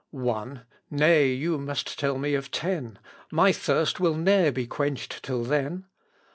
One! nay you must tell me of ten: My thirst will ne'er be quenched till then.